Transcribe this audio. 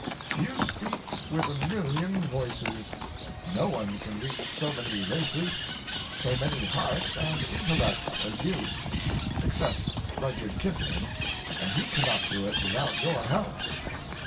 You speak with a million voices; no one can reach so many races, so many hearts and intellects, as you—except Rudyard Kipling, and he cannot do it without your help.